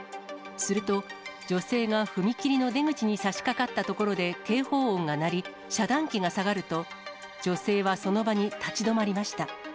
すると、女性が踏切の出口にさしかかったところで警報音が鳴り、遮断機が下がると、女性はその場に立ち止まりました。